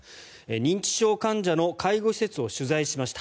認知症患者の介護施設を取材しました。